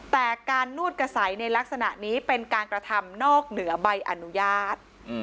แต่การนวดกระใสในลักษณะนี้เป็นการกระทำนอกเหนือใบอนุญาต